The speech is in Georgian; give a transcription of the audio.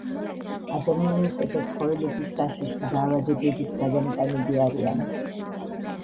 ადამიანისა და ცხოველების საშიში დაავადებების გადამტანები არიან.